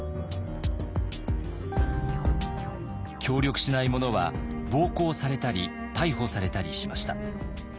協力しない者は暴行されたり逮捕されたりしました。